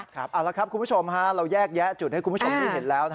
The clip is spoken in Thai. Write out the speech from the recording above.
เอาละครับคุณผู้ชมเราแยกแยะจุดให้คุณผู้ชมได้เห็นแล้ว